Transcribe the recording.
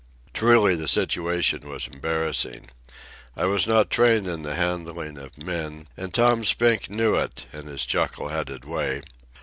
Truly, the situation was embarrassing. I was not trained in the handling of men, and Tom Spink knew it in his chuckle headed way.